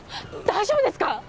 大丈夫ですか？